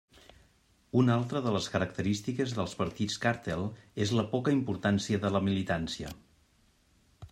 Una altra de les característiques dels partits càrtel és la poca importància de la militància.